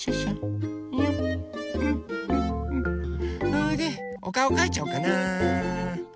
それでおかおかいちゃおうかな。